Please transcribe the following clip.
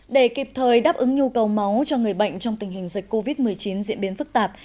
để kịp thời đáp ứng nhu cầu máu cho người bệnh trong tình hình dịch covid một mươi chín diễn biến phức tạp